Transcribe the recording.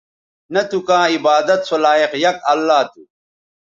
نہ تھو کاں عبادت سو لائق یک اللہ تھو